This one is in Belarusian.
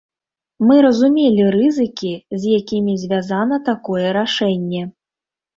Мы разумелі рызыкі, з якімі звязана такое рашэнне.